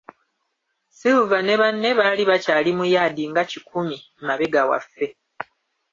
Silver ne banne baali bakyali mu yaadi nga kikumi emabega waffe